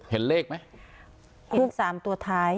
เห็นเลขมั้ย